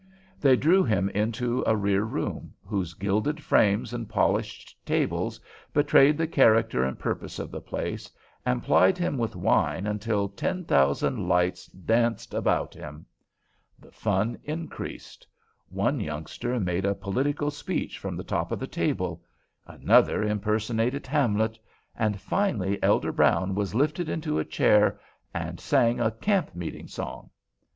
They drew him into a rear room, whose gilded frames and polished tables betrayed the character and purpose of the place, and plied him with wine until ten thousand lights danced about him. The fun increased. One youngster made a political speech from the top of the table; another impersonated Hamlet; and finally Elder Brown was lifted into a chair, and sang a camp meeting song.